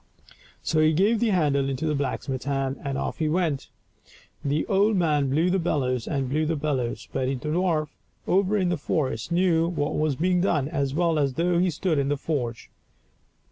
So he gave the handle into the blacksmith's hand and off he went. The old man blew the bellows and blew the bellows, but the dwarf over in the forest knew what was being done as well as though he stood in the forge.